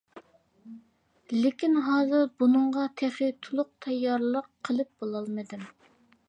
لېكىن ھازىر بۇنىڭغا تېخى تولۇق تەييارلىق قىلىپ بولالمىدىم.